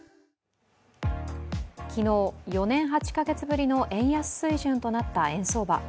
昨日、４年８カ月ぶりの円安水準となった円相場。